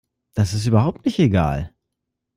Das ist überhaupt nicht egal.